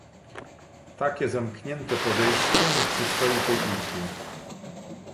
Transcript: Takie zamknięte podejście nie przystoi tej Izbie